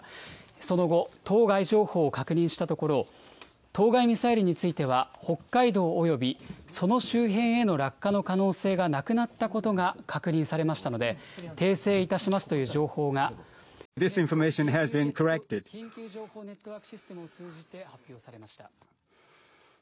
その後、当該情報を確認したところ、当該ミサイルについては、北海道およびその周辺への落下の可能性がなくなったことが確認されましたので、訂正いたしますという情報が、エムネット・緊急情報ネットワークシステムを通じて発表されました。